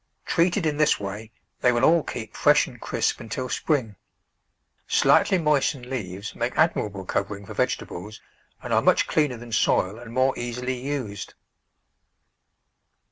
Treated in this way, they will all keep fresh and crisp until spring. Slightly moistened leaves make admirable covering for vege tables and are much cleaner than soil and more easily used.